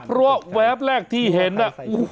เพราะว่าแวบแรกที่เห็นน่ะ